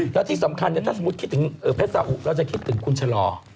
แล้วที่สำคัญถ้าสมมุติคิดถึงเพชรสาอุเราจะคิดถึงคุณชะลอ